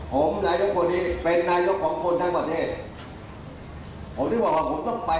ผมนายกรัฐมนตรีเป็นนายกรัฐมนตรีของคนทั้งประเทศ